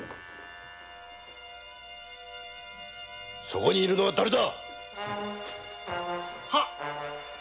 そこにいるのはだれだ！